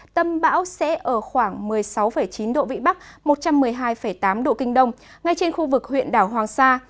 tâm bão sẽ ở khoảng một mươi sáu chín độ vĩ bắc một trăm một mươi hai tám độ kinh đông ngay trên khu vực huyện đảo hoàng sa